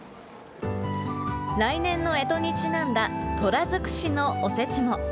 来年のえとにちなんだ虎づくしのおせちも。